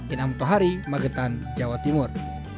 in amto hari magetan jawa timur